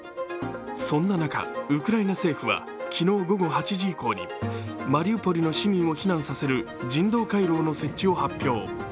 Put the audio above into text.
そんな中、ウクライナ政府は昨日午後８時以降マリウポリの市民を避難させる人道回廊の設置を発表。